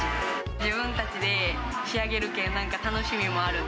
自分たちで仕上げるんで楽しみもある。